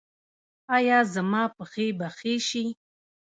ایا زما پښې به ښې شي؟